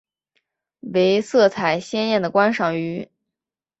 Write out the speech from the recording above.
为色彩鲜艳的观赏鱼。